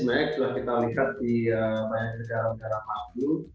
ini sebenarnya kita lihat di banyak negara negara maju